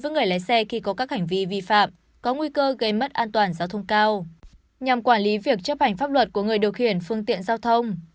với người lái xe khi có các hành vi vi phạm có nguy cơ gây mất an toàn giao thông cao nhằm quản lý việc chấp hành pháp luật của người điều khiển phương tiện giao thông